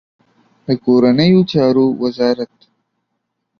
د کورنیو چارو وزارت